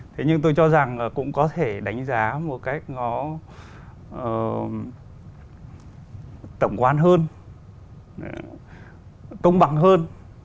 thế nhưng tôi cho rằng là cũng có thể đánh giá một cách nó tổng quan hơn công bằng hơn